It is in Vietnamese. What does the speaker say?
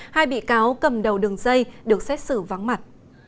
hai bị cáo cầm đầu đường dây được xét xử vắng mặt